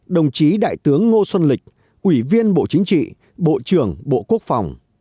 đồng chí đại tướng ngô xuân lịch ủy viên bộ chính trị bộ trưởng bộ quốc phòng